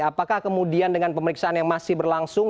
apakah kemudian dengan pemeriksaan yang masih berlangsung